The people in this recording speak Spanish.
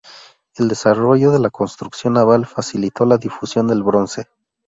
El desarrollo de la construcción naval facilitó la difusión del bronce.